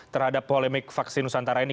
terhadap polemik vaksin nusantara ini